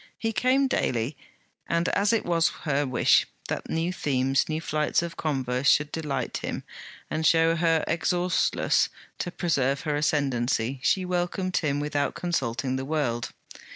He came daily, and as it was her wish that new themes, new flights of converse, should delight him and show her exhaustless, to preserve her ascendancy, she welcomed him without consulting the world.